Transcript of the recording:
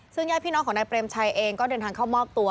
ซึ่งญาติพี่น้องของนายเปรมชัยเองก็เดินทางเข้ามอบตัว